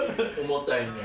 重たいね。